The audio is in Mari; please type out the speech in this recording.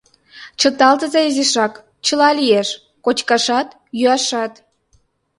Чыталтыза изишак, чыла лиеш: кочкашат, йӱашат.